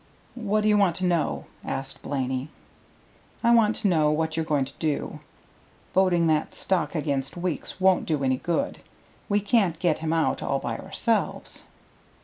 "What do you want to know?" asked Blaney. "I want to know what you're going to do. Voting that stock against Weeks won't do any good. We can't get him out all by ourselves."